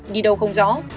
đi đâu không rõ